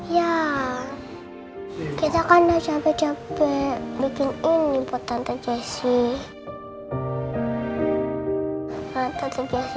ya kita kan capek capek bikin ini buat tante jessi